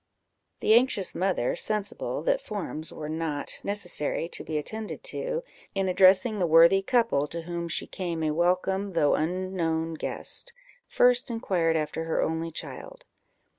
The anxious mother, sensible that forms were not necessary to be attended to, in addressing the worthy couple to whom she came a welcome, though unknown guest, first inquired after her only child.